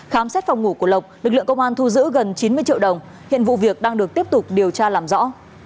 khám xét phòng ngủ của lộc lực lượng công an thu giữ gần chín mươi triệu đồng hiện vụ việc đang được tiếp tục điều tra làm rõ